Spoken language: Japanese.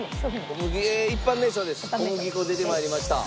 小麦粉出て参りました。